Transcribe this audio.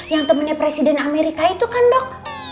yang temennya presiden amerika itu kan dok